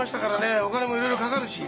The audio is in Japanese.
えお金もいろいろかかるし。